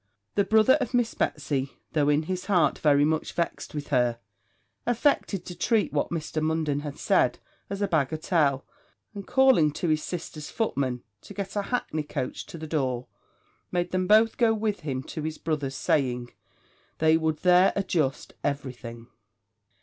The brother of Miss Betsy, though in his heart very much vexed with her, affected to treat what Mr. Munden had said, as a bagatelle; and, calling to his sister's footman to get a hackney coach to the door, made them both go with him to his brother's; saying, they would there adjust every thing.